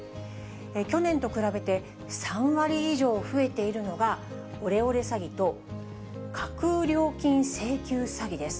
去年と比べて３割以上増えているのが、オレオレ詐欺と架空料金請求詐欺です。